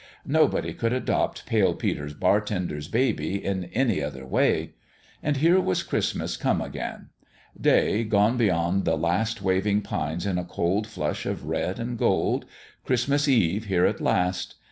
Nobody could adopt Pale Peter's bartender's baby in any other way. And here was Christmas come again ! Day gone beyond the last waving pines in a cold flush of red and gold : Christmas Eve here at last.